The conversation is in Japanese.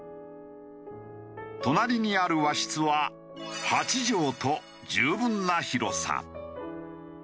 隣にある和室は８畳と十分な広さ。